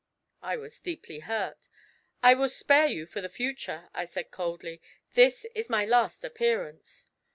I was deeply hurt. 'I will spare you for the future,' I said coldly; 'this is my last appearance.'